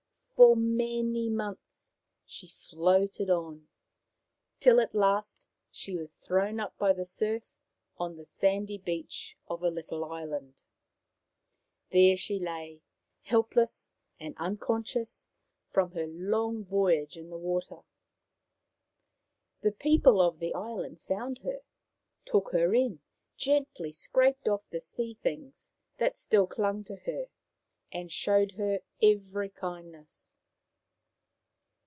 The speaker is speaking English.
For many months she floated on, till at last she was thrown up by the surf on the sandy beach of a little island. There she lay, helpless and unconscious from her long voyage in the water. The people of the island found her, took her in, gently scraped off the sea things that still clung to her, and showed her every kindness.